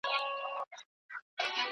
نه پیسې لرم اونه یې درکومه ..